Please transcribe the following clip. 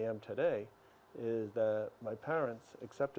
dan apa kesulitan yang kamu hadapi